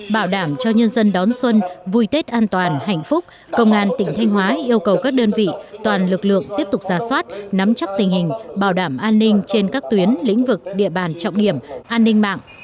bảo đảm cho nhân dân đón xuân vui tết an toàn hạnh phúc công an tỉnh thanh hóa yêu cầu các đơn vị toàn lực lượng tiếp tục ra soát nắm chắc tình hình bảo đảm an ninh trên các tuyến lĩnh vực địa bàn trọng điểm an ninh mạng